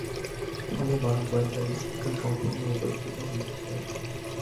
ফলে, বালক-বালিকাদের শিক্ষা সম্পূর্ণ উপেক্ষিত হইতেছে।